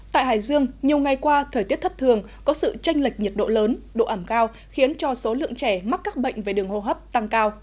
tại hải dương nhiều ngày qua thời tiết thất thường có sự tranh lệch nhiệt độ lớn độ ẩm cao khiến cho số lượng trẻ mắc các bệnh về đường hô hấp tăng cao